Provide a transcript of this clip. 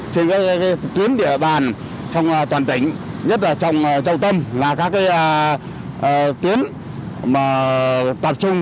trên các tuyến địa bàn trong toàn tỉnh nhất là trong trọng tâm là các tuyến tập trung